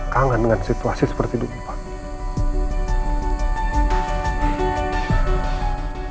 kangen dengan situasi seperti dulu pak